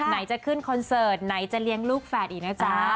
ไหนจะขึ้นคอนเสิร์ตไหนจะเลี้ยงลูกแฝดอีกนะจ๊ะ